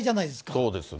そうですね。